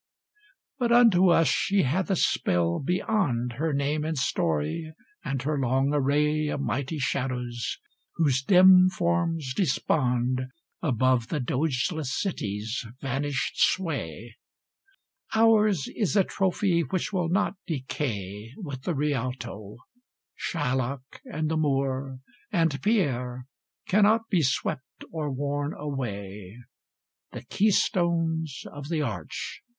But unto us she hath a spell beyond Her name in story, and her long array Of mighty shadows, whose dim forms despond Above the Dogeless city's vanished sway: Ours is a trophy which will not decay With the Rialto; Shylock and the Moor, And Pierre, cannot be swept or worn away The keystones of the arch!